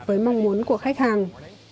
với mong muốn của khách hàng